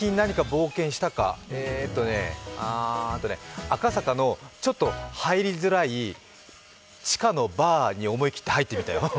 えーとね、赤坂のちょっと入りづらい地下のバーに思い切って入ってみたよ。